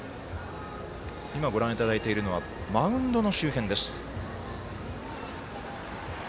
今ご覧いただいているのはマウンドの周辺です。